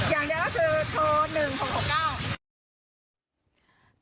อย่างเดียวก็คือโทร๑๖๖๙